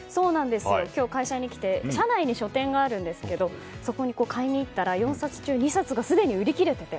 今日、会社に来て社内に書店があるんですけどそこに買いに行ったら４冊中２冊がすでに売り切れてて。